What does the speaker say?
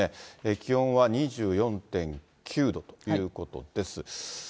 気温は２４．９度ということです。